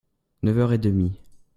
Neuf heures et demi.